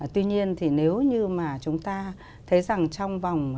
tuy nhiên thì nếu như mà chúng ta thấy rằng trong vòng gần một mươi năm